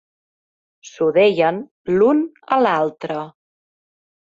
S'ho deien l'un a l'altre.